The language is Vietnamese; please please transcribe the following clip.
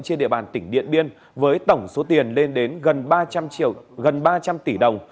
trên địa bàn tỉnh điện biên với tổng số tiền lên đến gần ba trăm linh tỷ đồng